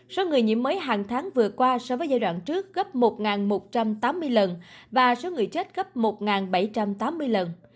số người nhiễm mới hàng tháng vừa qua so với giai đoạn trước gấp một một trăm tám mươi lần và số người chết gấp một bảy trăm tám mươi lần